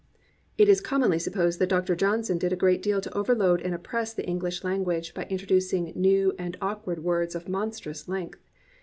It is commonly supposed that Dr. Johnson did a great deal to overload and oppress the English lan guage by introducing new and awkward words of monstrous length.